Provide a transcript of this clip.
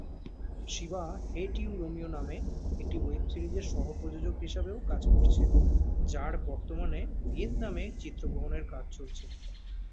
Shiba "hate you Romeo" নামে একটি web সিরিজের সহ-প্রযোজক হিসাবেও কাজ করছেন, যার বর্তমানে ভিয়েতনামে চিত্রগ্রহণের কাজ চলছে।